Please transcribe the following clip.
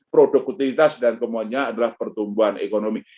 produktivitas dan semuanya adalah pertumbuhan ekonomi